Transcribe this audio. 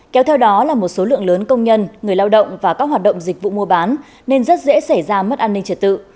kéo theo đó là một số lượng lớn công nhân người lao động và các hoạt động dịch vụ mua bán nên rất dễ xảy ra mất an ninh trật tự